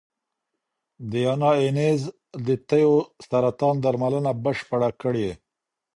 ډیانا اینز د تیو سرطان درملنه بشپړه کړې.